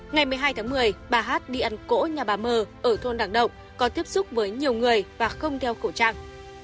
ngày một mươi hai tháng một mươi bà hát đi ăn cỗ nhà bà mờ ở thôn đảng động có tiếp xúc với nhiều người và không đeo khẩu trang